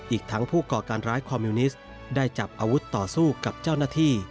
อีกทั้งผู้ก่อการร้ายคอมมิวนิสต์ได้จับอาวุธต่อสู้กับเจ้าหน้าที่